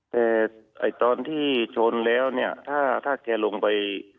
แต่ตอนที่ชนแล้วเนี่ยถ้าแกลงไป